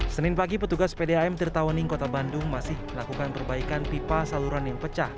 senin pagi petugas pdam tirtawaning kota bandung masih melakukan perbaikan pipa saluran yang pecah